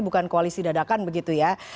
bukan koalisi dadakan begitu ya